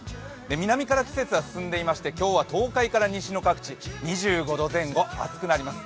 南から季節は進んでいまして、今日は東海から西は２５度前後、暑くなります。